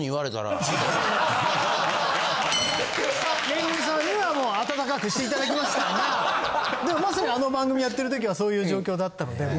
恵さんにはもうあたたかくしていただきましたがでもまさにあの番組やってる時はそういう状況だったので。